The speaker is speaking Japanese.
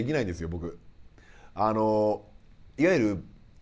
僕。